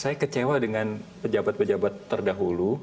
saya kecewa dengan pejabat pejabat terdahulu